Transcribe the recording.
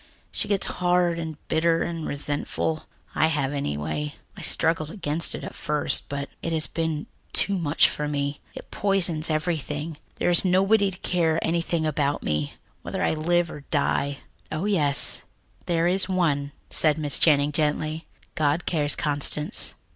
She gets hard and bitter and resentful I have, anyway. I struggled against it at first, but it has been too much for me. It poisons everything. There is nobody to care anything about me, whether I live or die." "Oh, yes, there is One," said Miss Channing gently. "God cares, Constance."